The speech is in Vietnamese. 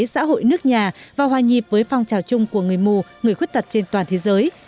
xã hội nước nhà và hòa nhịp với phong trào chung của người mù người khuyết tật trên toàn thế giới